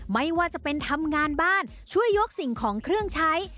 ไม่ว่าจะเป็นทำงานบ้านช่วยยกสิ่งของเครื่องใช้